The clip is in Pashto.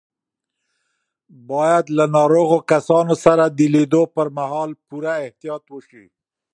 باید له ناروغو کسانو سره د لیدو پر مهال پوره احتیاط وشي.